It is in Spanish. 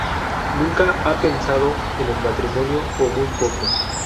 Nunca ha pensado en el matrimonio, o muy poco.